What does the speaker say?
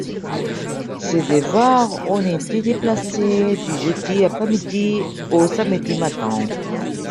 Ces devoirs ont été déplacés du jeudi après-midi au samedi matin.